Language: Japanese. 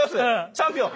チャンピオン。